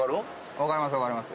わかりますわかります。